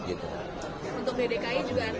untuk ddki juga artinya sama